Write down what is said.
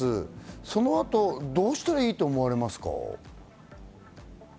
そのあとどうしたらいいと思いますか？